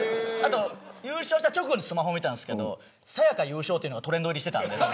優勝直後にスマホ見たんですけどさや香優勝というのがトレンド入りしてました。